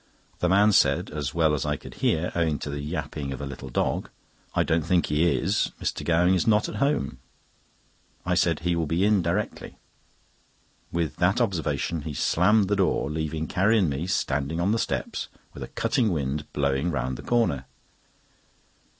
The man said (as well as I could hear, owing to the yapping of a little dog): "I don't think he is. Mr. Gowing is not at home." I said: "He will be in directly." With that observation he slammed the door, leaving Carrie and me standing on the steps with a cutting wind blowing round the corner.